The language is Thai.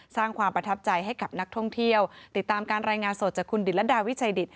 สร้างความประทับใจให้กับนักท่องเที่ยวติดตามการรายงานสดจากคุณดิตรดาวิชัยดิต